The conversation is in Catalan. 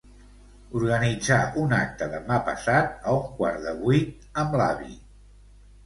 Organitzar un acte demà passat a un quart de vuit amb l'avi.